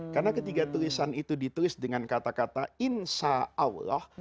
karena ketiga tulisan itu ditulis dengan kata kata insya allah